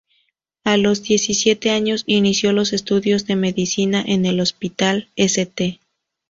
A los diecisiete años inició los estudios de medicina en el Hospital "St.